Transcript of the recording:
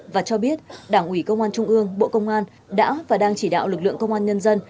và cho biết đảng ủy công an trung ương bộ công an đã và đang chỉ đạo lực lượng công an nhân dân